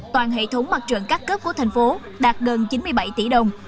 toàn hệ thống mặt trận các cấp của thành phố đạt gần chín mươi bảy tỷ đồng